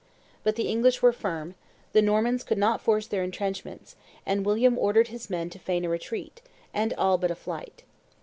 But the English were firm; the Normans could not force their intrenchrnents; and William ordered his men to feign a retreat, and all but a flight.